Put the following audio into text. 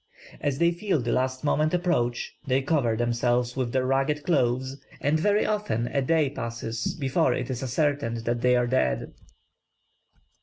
As they feel the last moment approach, they cover themselves with their ragged clothes, and very often a day passes before it is ascertained that they are dead."